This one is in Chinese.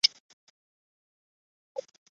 孝端文皇后。